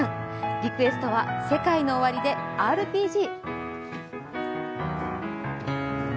リクエストはＳＥＫＡＩＮＯＯＷＡＲＩで「ＲＰＧ」。